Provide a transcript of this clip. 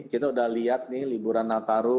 kita udah lihat nih liburan nataru